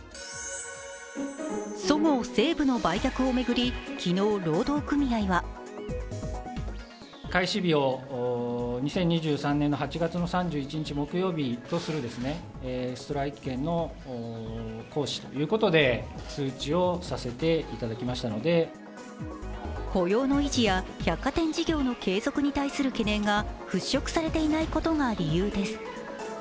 そごう・西武の売却を巡り、昨日労働組合は雇用の維持や百貨店事業の継続に対する懸念が払拭されていないことが理由です。